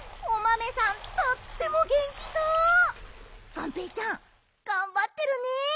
がんぺーちゃんがんばってるね！